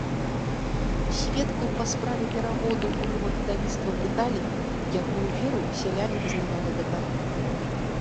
Сведкаў па справе пераводу ў рыма-каталіцтва пыталі, якую веру сяляне вызнавалі да таго.